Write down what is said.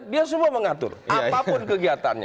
dia semua mengatur apapun kegiatannya